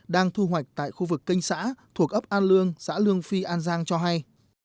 đang thu hoạch tại khu vực kinh xã thuộc ấp an lương xã lương phi an giang cho hay